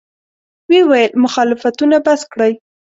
ویې ویل: مخالفتونه بس کړئ.